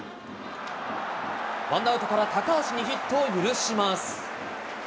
ワンアウトから高橋にヒットを許します。